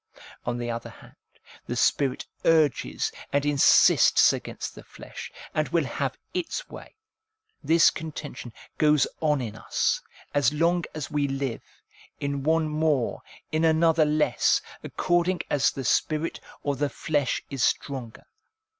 On the other hand, the spirit urges and insists against the flesh, and will have its way. This contention goes on in us, as long as we live, in one more, in another less, according as the spirit or the flesh is stronger.